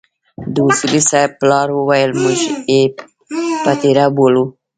د اصولي صیب پلار وويل موږ يې پتيره بولو.